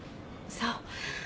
そう。